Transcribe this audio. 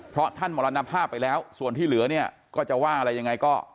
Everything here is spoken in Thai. เพราะท่านมรณภาพไปแล้วส่วนที่เหลือเนี่ยก็จะว่าอะไรยังไงก็